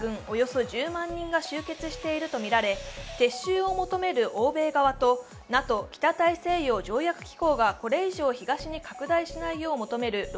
およそ１０万人が集結しているとみられ、撤収を求める欧米側とＮＡＴＯ＝北大西洋条約機構がこれ以上東に拡大しないようもとめる